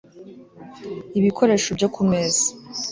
ibikoresho byo ku meza